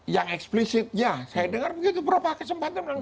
yang eksplisit ya saya dengar begitu berapa kesempatan